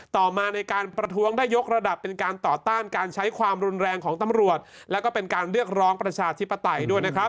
ต่อมาในการประท้วงได้ยกระดับเป็นการต่อต้านการใช้ความรุนแรงของตำรวจแล้วก็เป็นการเรียกร้องประชาธิปไตยด้วยนะครับ